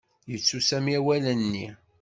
Yettu Sami awal-nni.